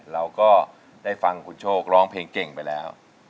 เราก็ได้ฟังคุณโชคร้องเพลงเก่งไปแล้ว